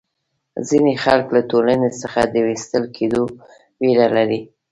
ځینې خلک له ټولنې څخه د وېستل کېدو وېره لري.